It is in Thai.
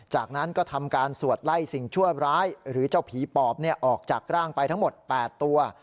จากนั้นก็ทำการสวดไล่สิ่งชั่วร้ายหรือเจ้าผีปอบออกจากร่างไปทั้งหมด๘ตัว